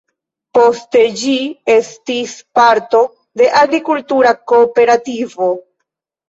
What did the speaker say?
Poste ĝi estis parto de agrikultura kooperativo.